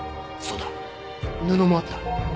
そうだ布もあった。